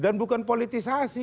dan bukan politisasi